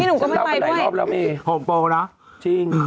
พี่หนุ่มก็ไม่ไปด้วยโฮมโปเนอะจริง